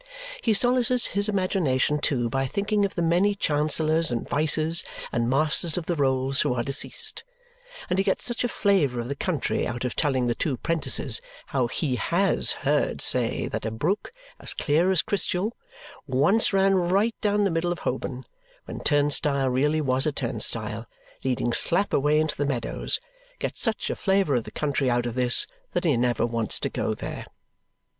He solaces his imagination, too, by thinking of the many Chancellors and Vices, and Masters of the Rolls who are deceased; and he gets such a flavour of the country out of telling the two 'prentices how he HAS heard say that a brook "as clear as crystal" once ran right down the middle of Holborn, when Turnstile really was a turnstile, leading slap away into the meadows gets such a flavour of the country out of this that he never wants to go there.